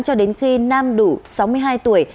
cho đến khi nam đủ sáu mươi hai tuổi